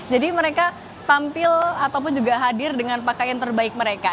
jadi mereka tampil ataupun juga hadir dengan pakaian terbaik mereka